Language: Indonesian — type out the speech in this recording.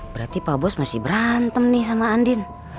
berarti pak bos masih berantem nih sama andin